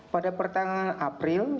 pada pertengahan april